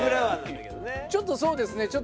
ちょっとそうですね。